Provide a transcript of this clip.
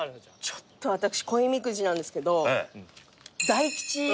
ちょっと私恋みくじなんですけど。